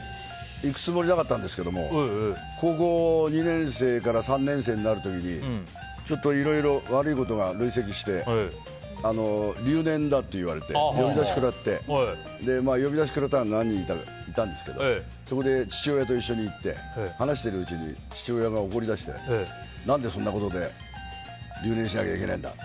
行くつもりなかったんですけど高校２年生から３年生になる時ちょっといろいろ悪いことが累積して留年だと言われて呼び出しくらって呼び出しくらったの何人かいたんですけどそこで父親と一緒に行って話しているうちに父親が怒り出して何でそんなことで留年しなきゃいけないんだ。